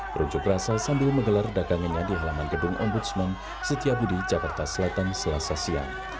berunjuk rasa sambil menggelar dagangannya di halaman gedung ombudsman setiabudi jakarta selatan selasa siang